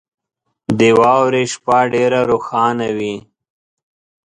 • د واورې شپه ډېره روښانه وي.